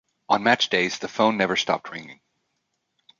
On match days the phone never stopped ringing.